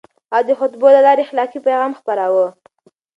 هغه د خطبو له لارې اخلاقي پيغام خپراوه.